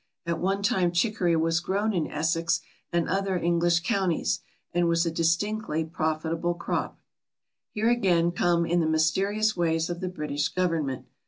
At one time chicory was grown in Essex and other English counties, and was a distinctly profitable crop. Here again come in the mysterious ways of the British Government.